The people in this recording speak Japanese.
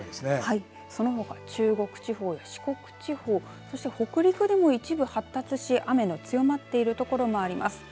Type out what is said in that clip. そのほか、中国地方や四国地方そして北陸でも一部発達し雨の強まっているところもあります。